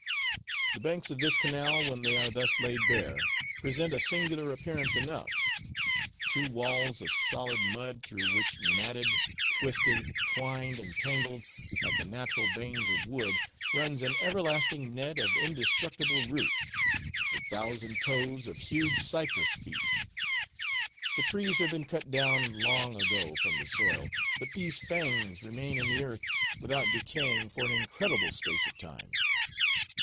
The banks of this canal, when they are thus laid bare, present a singular appearance enough, two walls of solid mud, through which matted, twisted, twined, and tangled, like the natural veins of wood, runs an everlasting net of indestructible roots, the thousand toes of huge cypress feet. The trees have been cut down long ago from the soil, but these fangs remain in the earth without decaying for an incredible space of time.